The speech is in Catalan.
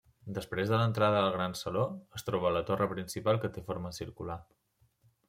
Després de l'entrada al gran saló es troba la torre principal que té forma circular.